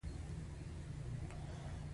د قیمتي شیانو ساتل هم د بانک دنده ده.